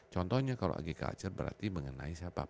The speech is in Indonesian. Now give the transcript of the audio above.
contohnya kalau agikulture berarti mengenai siapa petani